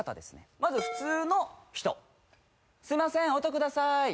まず「すいません音くださーい」